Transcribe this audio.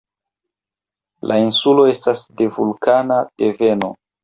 La insulo estas de vulkana deveno.